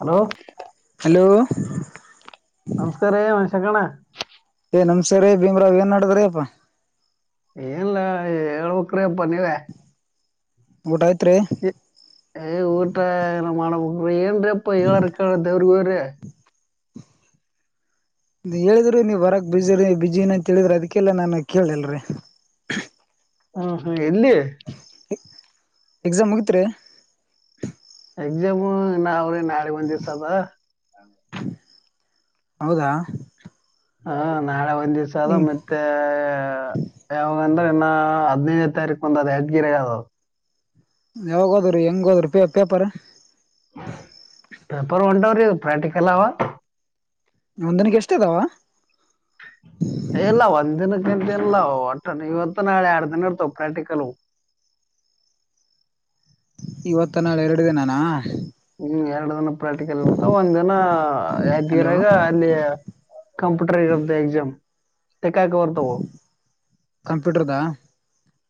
Hello hello ನಮಸ್ಕಾರ್ರೀ ಮಶಗಣ. ಏ ನಮಸ್ಕಾರ್ ರೀ ಭೀಮ್ರಾವ್ ಏನಡುದ್ರೀ ಅಪ್ಪಾ? ಏನ್ಲ ಹೇಳ್ಬೇಕ್ರೀ ಅಪ್ಪ ನೀವೆ. ಊಟ ಆಯ್ತ್ರಿ ಏ ಊಟ ಏನು ಮಾಡವ್ ಬುಡ್ರಿ ಏನ್ರೀ ಅಪ್ಪ ಹೇಳೋರು ಕೇಳೋರು ದೇವ್ರ್ ಗ್ ಹೋರಿ. [inaudible] ನೀ ಹೇಳಿದ್ರು ನೀವ್ ಬರಕ್ ಬ್ಯುಸಿರಿ ಬಿಜಿನಂತ್ ಹೇಳಿದ್ರಿ ಅದಕ್ಕೆಲ್ಲ ನಾನ್ ಕೇಳಿಲ್ರಿ. ಹ್ಮ್ ಹ್ಮ್ ಎಲ್ಲಿ? ಎಕ್ಸಾಮ್ ಮುಗಿತ್ರಿ? ಎಕ್ಸಾಮು ನಾವ್ ನಾಳೆ ಒಂದ್ ದಿವ್ಸ ಅದ. ಹೌದಾ? ಹಾ ನಾಳೆ ಒಂದ್ ದಿವ್ಸ ಅದ ಹಂಗ ಮತ್ ತ್ತೆ ಯಾವಾಗಂದ್ರೆ ಇನ್ನ ಹದ್ ನೈದ್ನೆ ತಾರೀಕ್ ಒಂದ್ ಅದೆ ಯದಗಿರೆ ಅದು. ಯಾವಾಗ ಓದಿರಿ ಹೆಂಗ್ ಓದ್ರಿ ಪೇ ಪೇಪರ್? ಪೇಪರ್ ಒಂಟವ್ ರೀ ಪ್ರಾಕ್ಟಿಕಲ್ ಅವ. ಒಂದಿನಗ್ ಎಷ್ಟ್ ಅದಾವ? ಒಂದಿನ ನಿಂದಿರ್ಲಾವೋ ಒಟ್ಟು ಇವತ್ತು ನಾಳೆ ಎರ್ಡ್ ದಿನ ಇರ್ತಾವು ಪ್ರಾಕ್ಟಿಕಲ್. ಇವತ್ತ ನಾಳೆ ಎರ್ಡ್ ದಿನಾನ? ಹ್ಮ್ ಎರ್ಡ್ ದಿನ ಪ್ರಾಕ್ಟಿಕಲ್ ಇರ್ತಾವ್ ಒಂದ್ ದಿನ ಹಲೋ ಯದಗಿರಾಗ ಅಲ್ಲಿ ಕಂಪ್ಯೂಟರ್ ಇರುತ್ತೆ ಎಕ್ಜಾಮ ಟಿಕ್ಕಾಕವು ಇರ್ತಾವು. ಕಂಪ್ಯೂಟರ್ದ?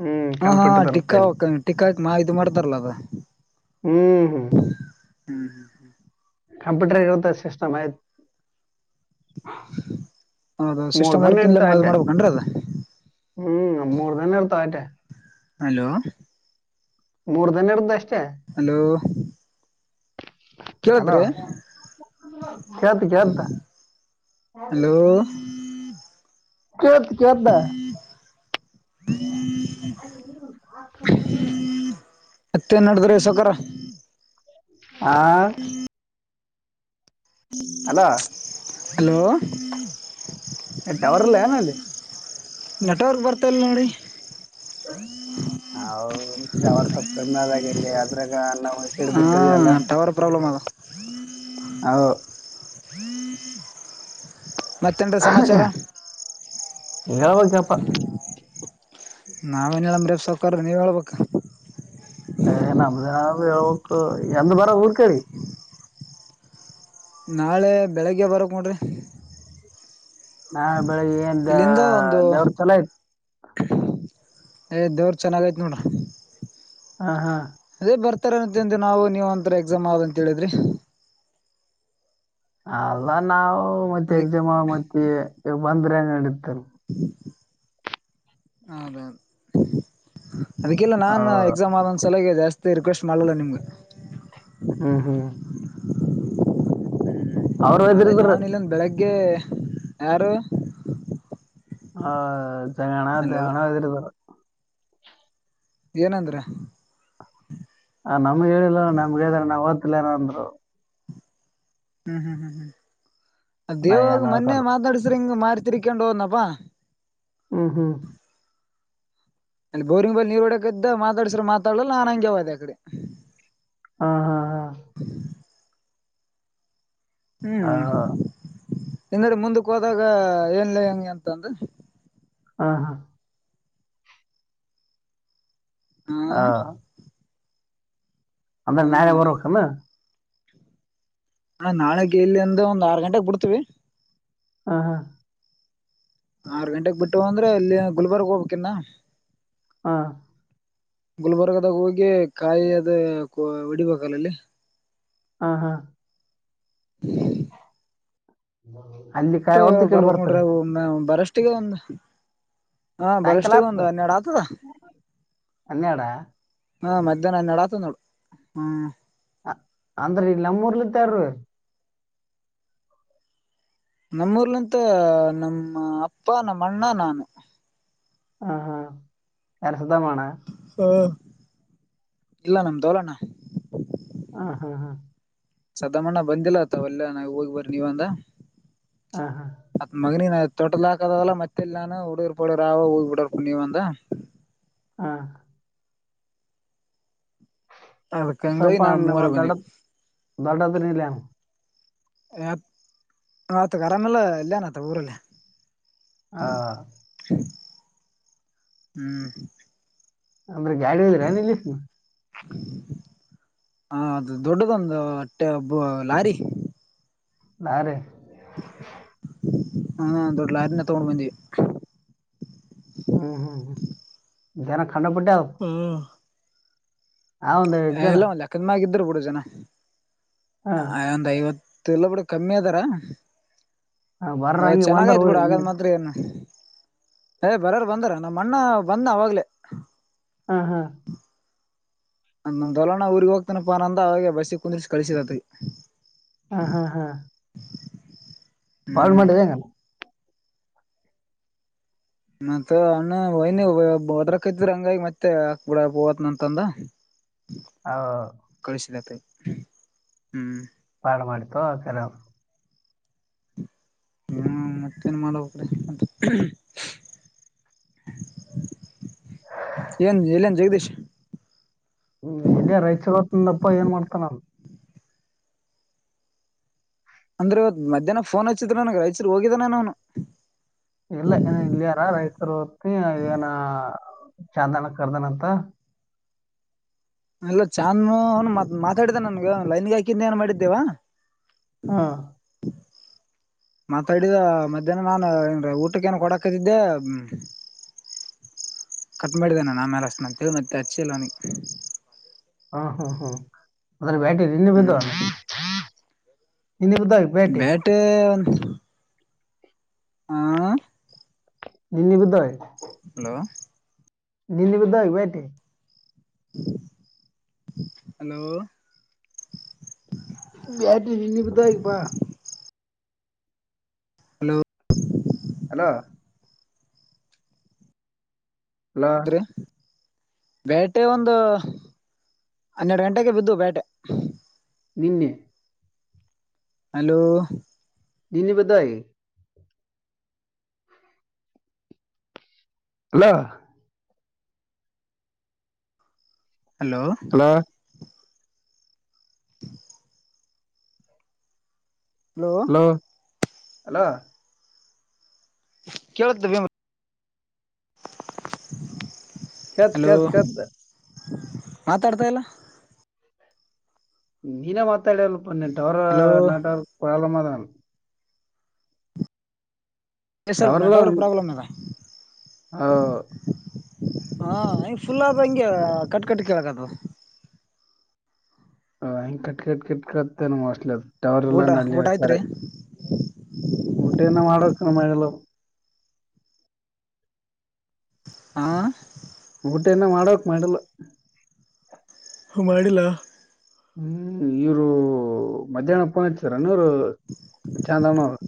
ಹ್ಮ್ ಹಾಂ ಹಾಂ ಕಂಪ್ಯೂಟರ್ ಇರುತ್ತೆ ಅಲ್ಲಿ ಟಿಕ್ಕಾವುಕ್ ಟಿಕ್ಕಾಕ್ ಇದ್ ಮಾಡ್ತಾರಲ್ಲಾ ಅದು. ಹ್ಮ್ ಹ್ಮ್ ಹ್ಮ್ ಹ್ಮ್ ಕಂಪ್ಯೂಟರ್ ಇರುತ್ತೆ ಸಿಸ್ಟಮ್ ಆಯ್ತ್. ಹೌದ ಮೂರ್ ಸಿಸ್ಟಮ್ ದನ ವರ್ಕ್ ಇಂದ್ಲೆ ಇರ್ತಾವ ಅ ಆಟ ಇದ್ ಮಾಡ್ಬೇಕನ್ರಿ ಅದ? ಹ್ಮ್ ಮೂರ್ ದಿನ ಇರ್ತ ಆಯತೆೆ. ಹಲೋ ಮೂರ್ ದಿನ ಇರದ್ ಅಷ್ಟೇ ಹಲೋ ಹಲೋ ಕೇಳದ್ರಿ ಕೇಳ್ತ ಕೇಳ್ತ ಹಲೋ ಕೇಳ್ತದ ಕೇಳ್ತದ್ ಹ್ಮ [inaudible] ಮತ್ತೆನ ನಡದದ್ರಿ ಸೌಕರ ಆ ಅಲೋ ಹಲೋ ಟವರ್ ಇಲ್ಲ ಏನಲ್ಲಿ ನೆಟ್ವರ್ಕ್ ಬರ್ತ ಇಲ್ಲ ನೋಡಿ ಹೌದ ಟವರ್ ಸ್ವಪ್ ಕಡಿಮೆಯಾದ ಇಲ್ಲಿ ಅದರಾಗ ನಾವು ಈಕಡ್ಬಿಟ್ಟ ಇಲ್ಲ ಪ್ರಾಬ್ಲಮದ್ ಹೌ ಹ್ಮ್ [inaudible] ಮತ್ ಏನ್ರೀ ಸಮಾಚಾರ ಹೇಳ್ಬೇಕಪ್ಪ ನಾವೇನ ಹೇಳಮ್ರಿ ಸೌಕಾರ ನೀವ ಹೇಳಬೇಕ ಏ ನಮ್ದೆ ನಾವ ಹೇಳಬಕ ಎಂದ ಬರವ ಊರ್ ಕಡಿಗ ನಾಳೆ ಬೆಳೆಗ್ಗೆ ಬರಬಕ ನೋಡ್ರಿ ನಾಳೆ ಬೆಳಿಗ್ಗೆ ಏನ್ ದ ಇಲ್ಲಿಂದ ಒಂದು ದೇವ್ರ ಚಲೋ ಆಯ್ತ ಏ ದೇವರ ಚೆನ್ನಾಗೈತ ನೋಡ್ ಹಾ ಹಾ ಅದೇ ಬರ್ತಾರ ಅಂತ ದಿನ ನಾವು ನೀವ ಅಂತರ ಎಕ್ಸಾಮ್ ಆದ್ ಅಂತ ಹೇಳಿದ್ರಿ ಅಲ್ಲ ನಾವು ಮತ್ತೆ ಅದಕ್ ಎಕ್ಸಾಮ್ ಮತ್ತೆ ಬಂದ್ರ ಏನಡಿತದಲ್ಲಿ ಹೌದೌದು ಅದಕ್ಕೆಲ್ಲ ಆ, ನಾನ ಎಕ್ಸಾಮ್ ಆದಂದ್ ಸಲೆಗೆ ಜಾಸ್ತಿ ತಿ ರಿಕ್ವೆಸ್ಟ್ ಮಾಡಲಿಲ್ಲ ನಿಮ್ಗ ಹ್ಮ ಹ್ಮ ಅವ್ರು ನಾಳೆ ಒದ್ರಿದ್ರು ನಾವುನ್ ಇಲ್ಲಿಂದ ಬೆಳಗ್ಗೆ ಯಾರು ಹ ಜಗಣ ಅಲೋ ದಿಗೆಣ ಏದಿರತ್ತರ್ ಏನಂದ್ರ ಆ ನಮ್ಗ್ ಹೇಳಿಲ್ಲಲ್ಲ ನಮ್ಗ ಹೇಳಿದ್ರ ನಾವ್ ಒಗತಿಲ್ ಏನ ಅಂದ್ರು ಹ್ಮ್ ಹ್ಮ್ ಹ್ಮ್ ಹ್ಮ್ ಅ ನಾ ದೇವಾಗ ಏನ್ ಮೊನ್ನೆ ಓದ್ಸಲ್ಲ ಮಾತಾಡಸಿದ್ರ ಹಿಂಗ್ ಮಾರ್ತಿರಿಕೊಂಡ್ ಹೋದನಪ್ಪಾ ಹ್ಮ್ ಹ್ಮ್ ಅಲ್ಲಿ ಬೋರಿಂಗ್ ಬಲ್ಲಿ ನೀರ್ಓಡೋಕತಿದ ಮಾತಾಡಸಿದ್ರ ಮಾತಾಡಲ್ಲಿಲ್ ನಾನು ಹಂಗೆ ಹೋದೆ ಅ ಕಡಿ ಹಾ ಹಾ ಹಾ ಆ, ಹ್ಮ್ ಇಂದಡಿಗ ಮುಂದಕ್ಕ ಹೋದಾಗ ಏನ್ಲೇ ಹೆಂಗೆಂತಂದ್ ಹಾ ಹಾ ಹ್ಮ ಹ್ ಅಂದ್ರ ನಾಳೆ ಹ್ಮ್ ಬರಬಕನು ಹಾ ನಾಳೆ ಗೇ ಇಲ್ಲಿಂದ ಒಂದ್ ಆರ ಗಂಟೆಗೆ ಬುಡ್ತಿವಿ ಹ್ ಹ್ ಆರ್ ಗಂಟೆಗೆ ಬುಟ್ಟವ ಅಂದ್ರ ಅಲ್ಲಿ ಗುಲ್ಬರ್ಗ್ ಹೋಗ್ಬೇಕಿನ್ನ ಹಾ ಗುಲ್ಬರ್ಗದಾಗ ಹೋಗಿ ಕಾಯಿ ಅದ ಹೊಡಿಬೇಕಲ್ಲ ಅಲ್ಲಿ ಹ್ ಹ್ ಅಲ್ಲಿ ಕಾಯಿ ಹೊಡ್ದ ಈಕಡ ಬರ್ತವಿರಿ ನಾ ಬರಷ್ಟಿಗ ಒಂದ್ ಹಾ ಸಾಯಂಕಾಲ ಬರಷ್ಟಿಗ ಒಂದ ಆಗ್ತದ ಹನ್ನೆಡಾತದ್ ಹನ್ನೆರಡ ಹಾ ಮಧ್ಯಾಹ್ನ ನನ್ನ ನಡ ಆತ ನೋಡು ಹ್ಮ್. ಅಂದ್ರ ಇ ನಮ್ಮೂರ್ಲತ್ತಾರು. ನಮ್ಮೂರ್ಲಂತ ನಮ್ಮ ಅಪ್ಪ ನಮ್ಮ ಅಣ್ಣ ನಾನು. ಹಾ ಯಾರ್ ಸುದಮಾಣ. ಹಾ ಇಲ್ಲ ನಮ್ದೋಲಣ್ಣ. ಅ ಹಾ ಸದಾಮಣ್ಣ ಬಂದಿಲ್ಲ ಅತವ ಎಲ್ಲಾ ನಾವು ಹೋಗಿ ಬರಿ ನೀವ್ ಅಂದ. ಹಾ ಅತ್ ಮಗನಿ ತೊಟದಾಕದಲ್ಲಾ ಮತ್ತೆಲ್ ನಾನು ಉಡಗರ್ ಪಡರ್ ಆ ಹದ ಬಿಡರ್ ಕು ನೀವಂದ. ಹಾ ಅದಕ್ ಹಂಗಾಗಿ ಸಲ್ಪ ನಾವ್ ಮೂವರ ದಡ ಬಂದ್ವಿ ದಡತನಿಲ್ಲ. ತ್ ಆತ್ ಆರಾಮೆಲ್ಲ ಇಲ್ಲಯನ್ತ ಊರಲ್ಲಿ. ಆ [unintelligible] ಹ್ಮ್ ಅಂದ್ರೆ ಗಾಡಿ ಹೋದ್ರೆ ನಿಲ್ಲಿ. ಹ ಅದು ದೊಡ್ಡದೊಂದು ಅಟ್ಟೆ ಒಬ್ಬ ಲಾರಿ. ನಾನೆ ಹಾ ದೊಡ್ ಲಾರಿನೆ ತಗೊಂಡಬಂದಿವಿ. ಹ್ಮ್ ಹ್ಮ್ ಹ್ಮ್ ಜನ ಕಣ್ಣು ಬಿದ್ದಾವ್ ಹ್ಮ ಆ ಒಂದ್ ಐದ್ ಜನ ಇಲ್ಲ ಒಂದ ಲೆಕ್ಕ ದ್ ಮ್ಯಾಗಿದ್ರು ಬಿಡು ಜನ ಹಾ ಒಂದ್ ಐವತ್ ಇಲ್ಲ ಬಿಡು ಕಮ್ಮಿ ಅದಾರ. ಹಾ, ಬರ್ರಂಗಿ ಚೆನ್ನಾಗ ಬಂದ್ರ ಆಯ್ತ್ ಊರಿ ಬಿಡು ಹಾಗಲ್ಮಾತ್ರ ಏನ್ - - ಏ ಬರೋರ್ ಬಂದರ ನಮ್ಮ್ ಅಣ್ಣ ಬಂದ್ ಅವಗ್ಲೆ. ಉಹು ನಮ ದೊಲಣ್ಣ ಊರ್ಗ್ ಹೋಗ್ತನಪ್ಪ ಅಂದ ಅವೆ ಬಸಿ ಕುಂದ್ರಿ ಕಳಸಿದತಿ. ಹ ಹಾ ಹಾ ಕಾಲ್ ಹ್ಮ್ ಮಾಡಿದ ಎನ್ ಮತ್ತೆ ಅಣ್ಣನ ವೈನಿ ಹೋದ್ರಕ್ತ್ ಹಂಗಾಗಿ ಮತ್ತೆ ಹಾಕ್ಬ ಬಿಡ ಬೋದ್ನಂತಂದ. ಹಾ ಕಳಿಸಿದತೆ ಹ್ಮ್ ಪಾಳ ಮಾಡತು ಆಕರ. ಹ ಮತ್ತೇನ್ ಮಾಡಬೇಕ್ರೀ ಅಂತ. ಏನ್ ಎಲ್ಲ ನ್ ಜಗದೀಶ್. ಹ್ಮ್ ಇ [unintelligible] ಏನ್ ಮಾಡ್ತಾನ. ಅಂದ್ರ ಇವತ್ ಮಧಹ್ನ ಫೋನ್ ಹಚ್ಚಿದ್ರ ನನ್ಗ ರ ಯಾಚೂರ್ರು ಹೋಗಿದಾನೆನು. ಇಲ್ಲ ಏ ಇಲ್ಲಿರ ರೈತರು ಹೊತ್ತ ಏನ ಚಾಂಡನ ಕರ್ದನ ಅಂತ. ಎಲ್ಲ ಚಾಂದ್ನು ಅವನು ಮಾತಾಡಿದ ನನ್ಗ ಲೈನ್ಗೆ ಹಾಕಿದ್ದ ಏನ್ ಮಾಡಿದ್ದೇವಾ. ಹ್ಮ್ ಮಾತಾಡಿದ ಮಧ್ಯಾಹ್ನ ನಾನ್ ಏನ್ ಊಟಕ್ಕ ಏನ್ ಕೊಡಾಕತಿದ್ದೆ. ಕಟ್ ಮಾಡಿದ್ದಾನ ಆಮೇಲೆ ಅಷ್ಟು ನ ತಿಳಿ ಮತ್ತೆ ಅಚ್ಚಿ ನನಿಗೆ.. ಹಾ ಹ್ಮ್ ಹ್ಮ್ ಅದ್ರೆ ಬಟ ಇನ್ನ ಬಿದ್ದ ಹ್ಮ್ ಇನ್ನ ಬಿದ್ ಬೇ ಟು ಆ ಹಿಂದ್ ಬಿದ್ದವೆ. ಹಲೋ ನಿನ್ನ [unintelligible] ಹಲೋ ಬ್ಯಾಟಿ ಹಿನೀಗ ಬಿದ್ದಾವ ಈಗಪಾ ಹಲೋ ಅಲೋ ಹಲೋ ಬ್ಯಾಟಿ ಒಂದು ಹನ್ನೆರಡ ಗಂಟೆಗೆ ಬಿದ್ದು ಬ್ಯಾಟಿ ನಿನ್ನೆ ಹಲೋ ನಿನ್ನೆ ಬಿದ್ದಾಯಿ ಅಲೋ ಹಲೋ ಹಲೋ ಹಲೋ ಹ ಹಲೋ ಕೇಳುತ್ತ ಬಿಮ್ ಕೇಳ್ತ್ ಹಲೋ ಕೇಳ್ತ್ ಕೇಳ್ತ್ ಮಾತಾಡ್ತಾ ಇಲ್ಲಾ ನೀನ ಮಾತಾಡ್ಲಿಲ್ಲಪ ನಿನ್ನ ಟವರ್ ಹಲೋ ನೆಟ್ವರ್ಕ್ ಪ್ಪ್ರಾಬ್ಲಮ್ಮದನ ಅದೇ ಸ್ವಲ್ಪ್ ನೆಟ್ವರ್ಕ್ ಪ್ರಾಬ್ಲಮ್ ಅದ ಹೌ ಹಾ ಹಿಂಗ ಫುಲ್ ಆದಂಗೆ ಕಟ್ ಕಟ್ ಕೇಳಾಕತ್ತದ ಹ ಹೆಂಗ್ ಕಟ್ ಕಟ್ ಕಟ್ ಕೇಳ್ತದೇನೋ ಮೋಸ್ಟ್ಲಿಅದ ಟವರ್ ಊಟ ಇಲ್ಲನ ಅಲ್ಲಿ ಊಟ ಆಯ್ತ್ರಿ ಸರಿಯಾಗ್ ಊಟ ಇನ ಮಾಡಬೇಕ ನಮ್ಮ ಎಲ್ಲವು ಹಾ ಊಟ ಇನ್ನ್ ಮಾಡ್ಬೇಕ್ ಮಾಡಿಲ್ಲ ಹಾ ಮಾಡಿಲ್ಲಾ ಹ್ಮ್ ಇವ್ರು ಮಧ್ಯಾಹ್ನ ಫೋನ್ ಹಚ್ಚಿದ್ರನ ಇವ್ರು ಚಾಂದನರು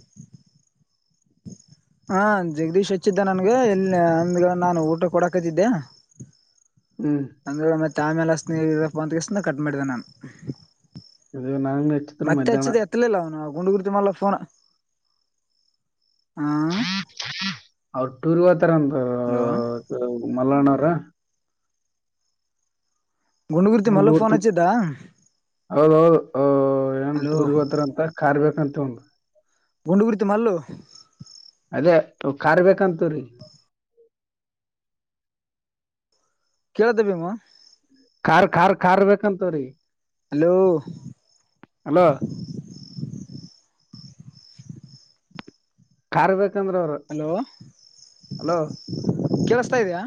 ಹಾ ಜಗದೀಶ್ ಹಚ್ಚಿದ್ದ ನನಗ ಇಲ್ಲಿ ಅಂದ್ರ ನಾನ ಊಟಕ್ಕ್ ಕೊಡಾಕತಿದ್ದ್ಯಾ ಹ್ಮ್. ಅಂದ್ರ ಮತ್ತ ಆಮೇಲ್ ಹಚ್ಚತನ ಈಗ ಇಡ ಫೋನ್ ಅಂದಕಿಸಿಂದ ಕಟ್ ಮಾಡಿದ್ದ ನಾನು. ಇದ ನಾಗನಟ್ಟ್ ಮತ್ತೆ ಹಚ್ಚಿದ್ರ್ ಎತ್ತಲಿಲ್ಲ ಅವನು ಗುಂಡಗುರುತು ಮಲ್ಲ ಫೋನ್ ಹ ಅವ್ರ ಟೂರಗ ಹೋತಾರ ಅಂತ ಹಲೋ ಮಲ್ಲು ಅಣ್ಣಾರ ಗುಂಡಗೂರತಿ ಮಲ್ಲು ಗುಂಡೂರು ಫೋನ್ ತುಂಬ ಹಚ್ಚಿದ್ದ ಹೌದೌದು ಅ ಏನ್ ಹಲೋ ಟೂರಿಗ್ ಹೋತ್ತಾರಂತ ಕಾರ್ ಬೇಕಂತ ಅಂದ ಗುಂಡುಗುರತಿ ಮಲ್ಲು ಅದ ಕಾರ್ ಬೇಕಂತವ್ರೀಗ್ ಕೇಳ್ದ ಭೀಮ್ ಕಾರ್ ಕಾರ್ ಕಾರ್ ಬೇಕಂತವ್ರೀಗ್ ಹಲೋ ಅಲೋ ಕಾರ್ ಬೇಕಂದ್ರ ಅವ್ರ ಹಲೋ ಕೇಳಸ್ತಾ ಇದೆಯಾ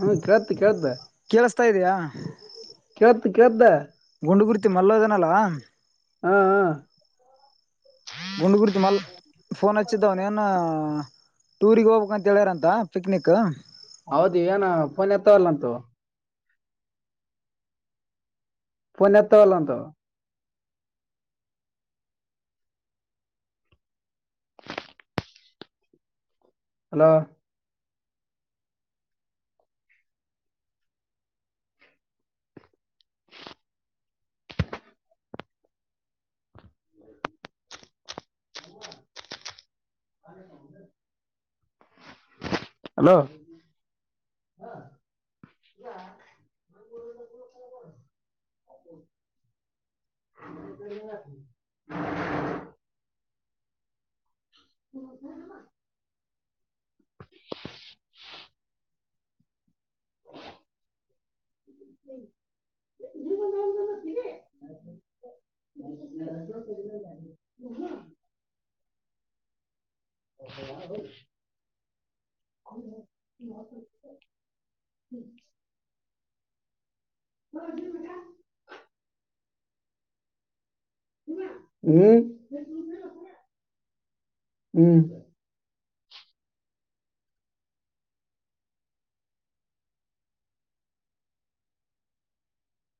ಹ್ಮ್ ಕೇಳ್ತ ಕೇಳ್ದ ಕೇಳಸ್ತಾ ಇದೆಯಾ ಕೆೇಳುತ್ ಕೆಳುತ. ಗುಂಡು ಗುರ್ತಿ ಮಲ್ಲೋ ಇದನಲ್ಲಾ. ಹಾ ಹಾ ಗುಂಡು ಗರಿತಿ ಮಲ್ ಫೋನ್ ಹಚ್ಚಿದ ಅವ್ನೆನೆನ. ಟೂರಿಗ್ ಹೋಗ್ಬೇಕ್ ಅಂತ ಹೇಳ್ಯಾರಂತ ಪಿಕ್ನಿಕ. ಹೌದಿ ಏನ ಪೋನ್ ಎತ್ತವಲ್ಲಂತೂ. ಪುನ್ ಎತ್ತವಲ್ಲಂತೆ ಅವು, ಹಲೋ [inaudible] [unintelligible] ಹಲೋ [inaudible] [inaudible] [unintelligible] [inaudible] [inaudible] ಹ [unintelligible] ಹ್ಮ್ ಹ್ಮ್